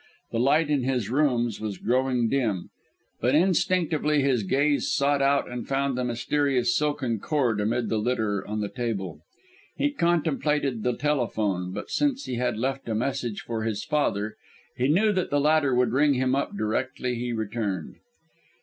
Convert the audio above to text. The light in his rooms was growing dim, but instinctively his gaze sought out and found the mysterious silken cord amid the litter on the table. He contemplated the telephone, but since he had left a message for his father, he knew that the latter would ring him up directly he returned.